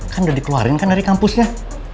kan udah dikeluarin kan dari kampusnya